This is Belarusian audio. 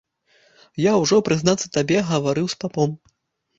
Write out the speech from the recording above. Я ўжо, прызнацца табе, гаварыў з папом.